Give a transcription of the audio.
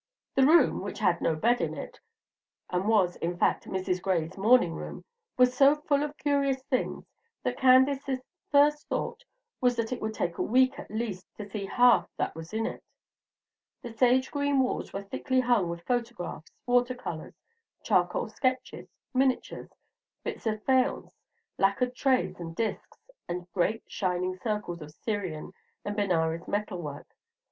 The room, which had no bed in it, and was, in fact, Mrs. Gray's morning room, was so full of curious things that Candace's first thought was that it would take a week at least to see half that was in it. The sage green walls were thickly hung with photographs, watercolors, charcoal sketches, miniatures, bits of faience, lacquered trays and discs, and great shining circles of Syrian and Benares metalwork.